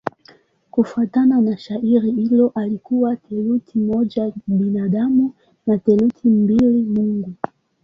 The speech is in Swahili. Kufuatana na shairi hilo alikuwa theluthi moja binadamu na theluthi mbili mungu.